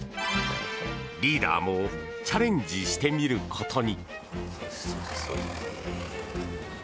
リーダーもチャレンジしてみることに。